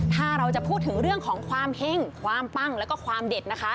ถ้าเราจะพูดถึงเรื่องของความเฮ่งความปั้งแล้วก็ความเด็ดนะคะ